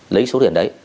lấy số tiền đấy